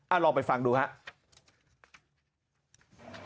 ลองไปฟังดูครับ